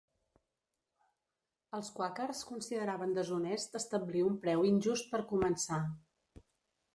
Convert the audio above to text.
Els quàquers consideraven deshonest establir un preu injust per començar.